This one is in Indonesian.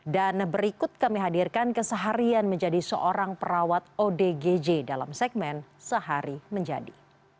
dan berikut kami hadirkan keseharian menjadi seorang perawat odgj dalam segmen sehari menjadi